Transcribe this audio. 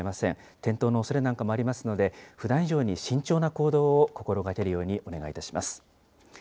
転倒のおそれなんかもありますので、ふだん以上に慎重な行動を心がけるようにお願いいたします。